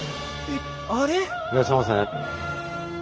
いらっしゃいませ。